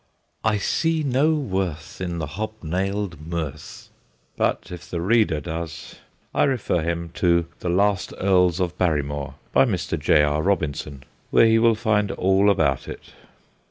1 1 see no worth in the hob nailed mirth,' but, if the reader does, I refer him to The Last Earls of Barrymore, . by Mr. J. R. Robinson, where he will find all about it.